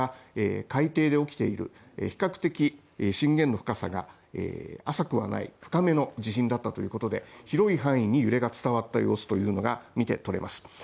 海底で起きている、比較的震源の深さが浅くはない深めの地震だったということで広い範囲に揺れが伝わった様子がみてとれます。